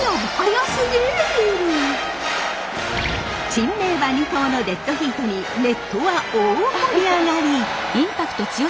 珍名馬２頭のデッドヒートにネットは大盛り上がり！